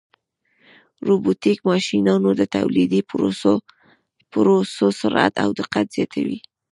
روبوټیک ماشینونه د تولیدي پروسو سرعت او دقت زیاتوي.